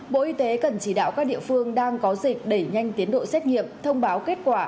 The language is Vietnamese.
bộ y tế cần chỉ đạo các địa phương đang có dịch đẩy nhanh tiến độ xét nghiệm thông báo kết quả